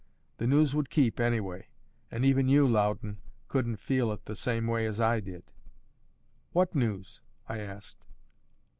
The news would keep, anyway; and even you, Loudon, couldn't feel it the same way as I did." "What news?" I asked.